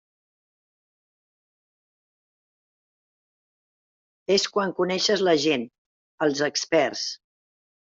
És quan coneixes la gent, els experts.